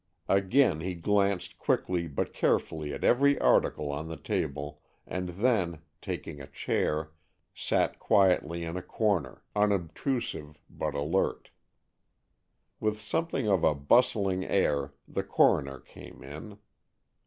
Again he glanced quickly but carefully at every article on the table, and then, taking a chair, sat quietly in a corner, unobtrusive but alert. With something of a bustling air the coroner came in.